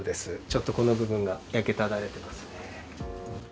ちょっとこの部分が焼けただれてますね。